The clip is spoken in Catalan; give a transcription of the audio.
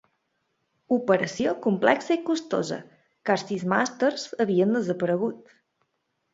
Operació complexa i costosa, car sis màsters havien desaparegut.